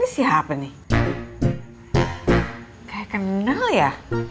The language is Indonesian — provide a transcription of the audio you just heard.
siapa nih kayak kenal ya